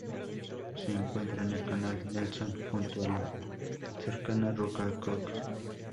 Se encuentra en el canal Nelson junto a la cercana roca Cook.